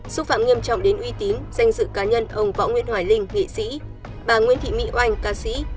xúc phạm nghiêm trọng đến uy tín danh dự cá nhân ông võ nguyễn hoài linh nghệ sĩ bà nguyễn thị mỹ oanh ca sĩ